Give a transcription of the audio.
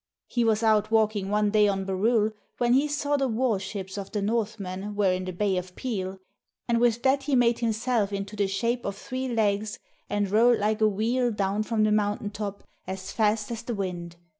He was out walking one day on Barrule, when he saw the warships of the Northmen were in the bay of Peel. And with that he made himself into the shape of three legs and rolled like a wheel down from the mountain top as fast as the wind.